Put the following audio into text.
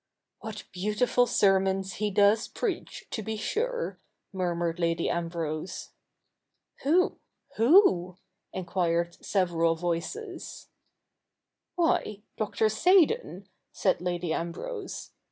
' What beautiful sermons he does preach, to be sure !' murmured Lady Ambrose. ' Who ? Who ?' enquired several voices. ' Why, Dr. wSeydon,' said Lady Ambrose.